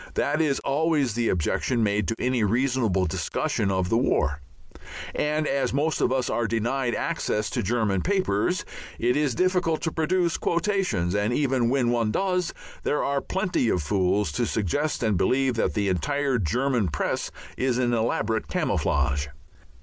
That is always the objection made to any reasonable discussion of the war and as most of us are denied access to German papers, it is difficult to produce quotations; and even when one does, there are plenty of fools to suggest and believe that the entire German Press is an elaborate camouflage.